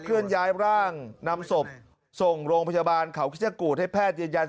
เลื่อนย้ายร่างนำศพส่งโรงพยาบาลเขาคิชกูธให้แพทย์ยืนยัน